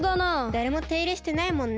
だれもていれしてないもんね。